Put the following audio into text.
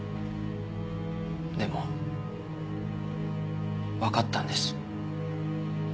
でもわかったんです。